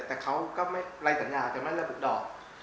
แต่เขาก็ไม่ไร้สัญญาแต่ไม่ระบุดอก